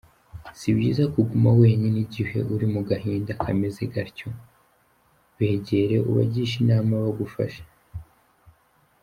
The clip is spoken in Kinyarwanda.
Si byiza kuguma wenyine igihe uri mu gahinda kameze gatyo, begere ubagishe inama bagufashe.